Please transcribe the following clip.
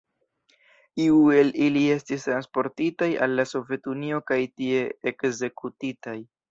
Iuj el ili estis transportitaj al Sovetunio kaj tie ekzekutitaj.